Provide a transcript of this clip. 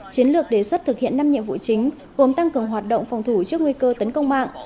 chiến lược đề xuất thực hiện năm nhiệm vụ chính gồm tăng cường hoạt động phòng thủ trước nguy cơ tấn công mạng